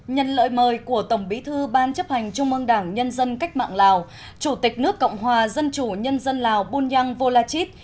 một nhân lợi mời của tổng bí thư ban chấp hành trung mương đảng nhân dân cách mạng lào chủ tịch nước cộng hòa dân chủ nhân dân lào bùn nhang vô la chít